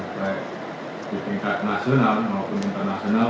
baik di tingkat nasional maupun internasional